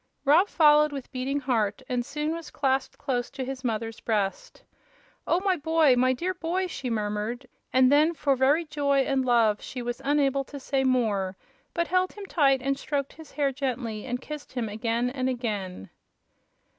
Rob followed with beating heart, and soon was clasped close to his mother's breast. "Oh, my boy my dear boy!" she murmured, and then for very joy and love she was unable to say more, but held him tight and stroked his hair gently and kissed him again and again.